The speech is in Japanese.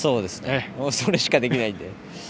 それしかできないので。